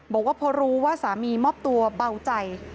บอกว่าพอรู้ว่าสามีมอบตัวเบาใจ